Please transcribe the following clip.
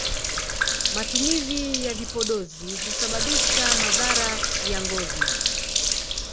matumizi ya vipodozi husababisha madhara ya ngozi